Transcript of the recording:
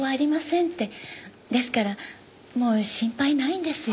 ですからもう心配ないんですよ。